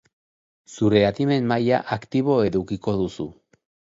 Zure adimen maila aktibo edukiko duzu.